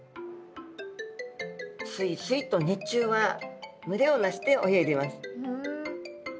スイスイと日中は群れを成して泳いでいます。